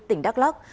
tỉnh đắk lắk